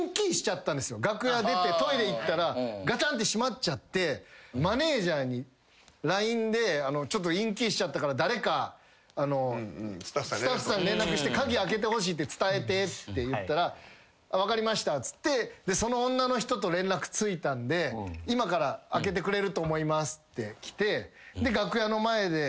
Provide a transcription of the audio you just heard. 楽屋出てトイレ行ったらガチャンってしまっちゃってマネージャーにＬＩＮＥでインキーしちゃったから誰かスタッフさんに連絡して鍵開けてほしいって伝えてって言ったら分かりましたっつってその女の人と連絡ついたんで今から開けてくれると思いますって来て。